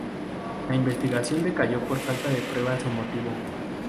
La investigación decayó por falta de pruebas o motivo.